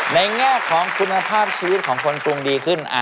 แง่ของคุณภาพชีวิตของคนกรุงดีขึ้น